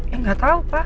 ya gak tau pa